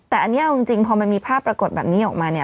แต่อันนี้เอาจริงพอมันมีภาพปรากฏแบบนี้ออกมาเนี่ย